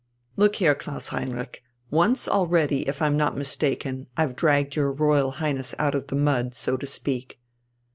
"Look here, Klaus Heinrich, once already, if I'm not mistaken, I've dragged your Royal Highness out of the mud, so to speak...."